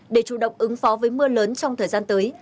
để chủ động ứng phó với mưa lớn trong thời gian tới